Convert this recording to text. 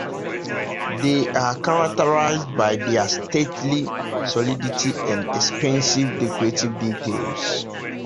They are characterized by their stately solidity and expensive decorative details.